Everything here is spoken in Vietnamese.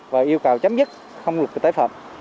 và yêu cầu chấm dứt không lục tài phạm